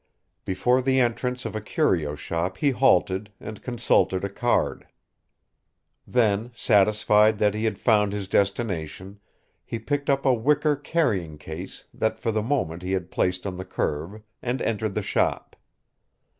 Before the entrance of a curio shop he halted and consulted a card. Then, satisfied that he had found his destination, he picked up a wicker carrying case that for the moment he had placed on the curb and entered the shop.